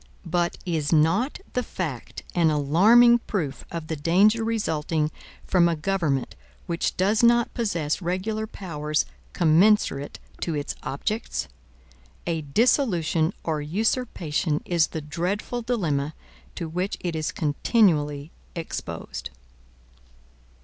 But is not the fact an alarming proof of the danger resulting from a government which does not possess regular powers commensurate to its objects? A dissolution or usurpation is the dreadful dilemma to which it is continually exposed.